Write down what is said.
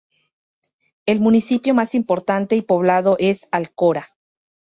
El municipio más importante y poblado es Alcora.